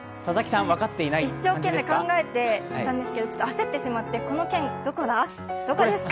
一生懸命考えていたんですけど、焦ってしまってしまって、この県、どこですか？